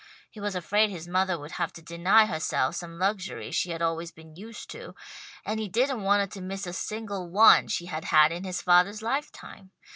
He was afraid his mothah would have to deny herself some luxury she had always been used to, and he didn't want her to miss a single one she had had in his fathah's lifetime.